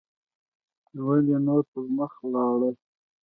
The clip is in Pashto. ولې نور پر مخ لاړل